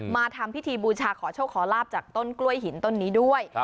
มาทำพิธีบูชาขอโชคขอลาบจากต้นกล้วยหินต้นนี้ด้วย